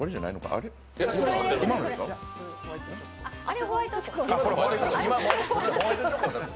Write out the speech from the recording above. あれ、ホワイトチョコ。